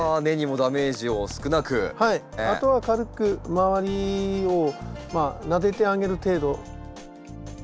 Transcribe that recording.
あとは軽く周りをまあなでてあげる程度。